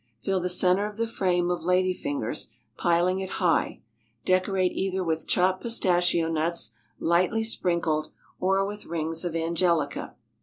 Fill the centre of the frame of lady fingers, piling it high; decorate either with chopped pistachio nuts lightly sprinkled, or with rings of angelica.